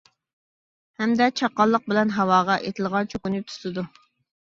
ھەمدە چاققانلىق بىلەن ھاۋاغا ئېتىلغان چوكىنى تۇتىدۇ.